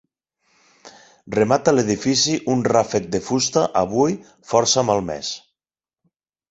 Remata l'edifici un ràfec de fusta, avui força malmès.